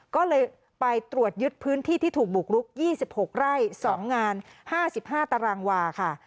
ก็เลยไปตรวจยึดพื้นที่ที่ถูกบุกลุก๒๖ไร่๒งาน๕๕ตารางวาค่ะ